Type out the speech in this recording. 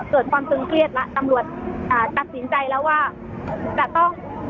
เกิดความตึงเครียดแล้วตำรวจอ่าตัดสินใจแล้วว่าจะต้อง